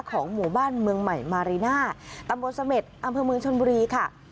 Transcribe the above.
ของหมู่บ้านเมืองใหม่มาริน่าตำบลเสม็ดอำเภอเมืองชนบุรีค่ะ